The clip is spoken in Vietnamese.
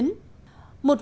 nhạc trực tuyến